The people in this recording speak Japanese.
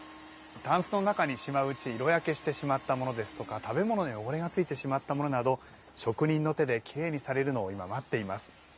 たんすの中にしまううちに色焼けしてしまったものですとか食べ物の汚れがついてしまったものなど職人の手できれいにされるのを今、待っています。